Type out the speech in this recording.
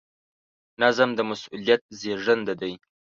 نظم د مسؤلیت زېږنده دی.